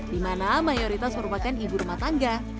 dimana mayoritas merupakan ibu rumah tangga